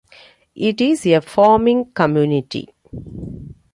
It is a farming community.